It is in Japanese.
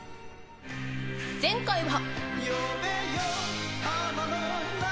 前回は。